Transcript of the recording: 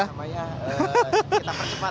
oh namanya kita percepat